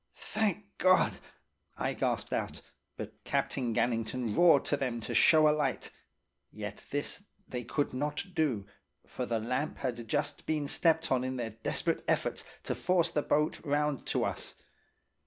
"'Thank God!' I gasped out. But Captain Gannington roared to them to show a light. Yet this they could not do, for the lamp had just been stepped on in their desperate efforts to force the boat round to us.